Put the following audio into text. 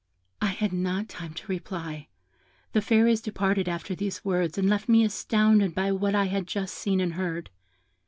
"I had not time to reply; the Fairies departed after these words, and left me astounded by what I had just seen and heard.